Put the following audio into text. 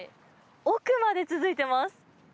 奥まで続いてます。